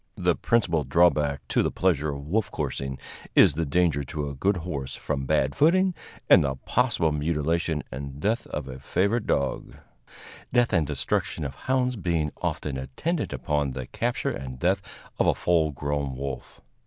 The principal drawback to the pleasure of wolf coursing is the danger to a good horse from bad footing, and the possible mutilation and death of a favorite dog death and destruction of hounds being often attendant upon the capture and death of a full grown wolf.